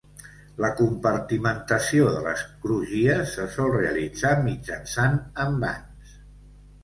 La compartimentació de les crugies se sol realitzar mitjançant envans.